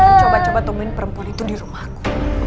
jangan coba coba temuin perempuan itu di rumah aku